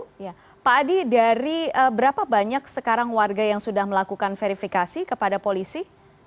pak adi dari berapa banyak sekarang warga yang sudah melakukan verifikasi kepada polisi